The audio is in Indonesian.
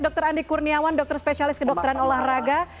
dr andi kurniawan dokter spesialis kedokteran olahraga